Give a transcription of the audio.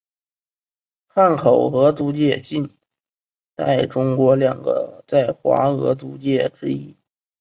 汉口俄租界近代中国两个在华俄租界之一。